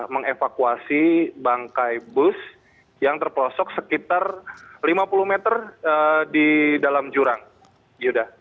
mengevakuasi bangkai bus yang terpelosok sekitar lima puluh meter di dalam jurang yuda